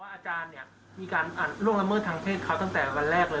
พระอาจารย์ออสบอกว่าอาการของคุณแป๋วผู้เสียหายคนนี้อาจจะเกิดจากหลายสิ่งประกอบกัน